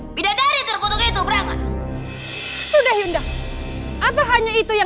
apa pendekin sebanjang perjanjian